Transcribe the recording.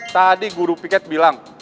tadi guru piket bilang